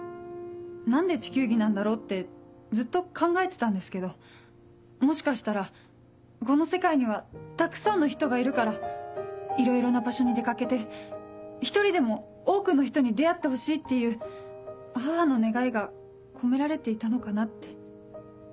何で地球儀なんだろうってずっと考えてたんですけどもしかしたらこの世界にはたくさんの人がいるからいろいろな場所に出掛けて１人でも多くの人に出会ってほしいっていう母の願いが込められていたのかなって。